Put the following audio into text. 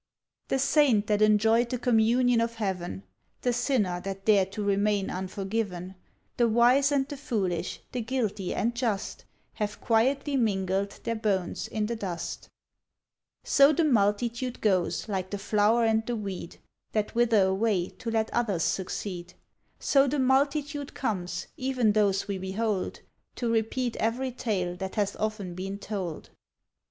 The saint that enjoyed the communion of heaven, The sinner that dared to remain unforgiven, The wise and the foolish, the guilty and just, Have quietly mingled their bones in the dust. So the multitude goes, like the flower and the weed That wither away to let others succeed; So the multitude comes, even those we behold, To repeat every tale that hath often been told.